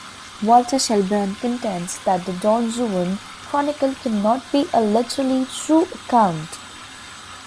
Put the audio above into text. Walter Shelburne contends that the Don Juan chronicle cannot be a literally true account.